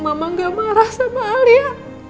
mama gak marah sama alia